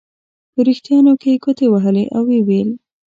په وریښتانو کې یې ګوتې وهلې او ویې ویل.